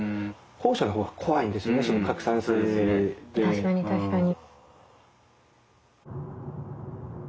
確かに確かに。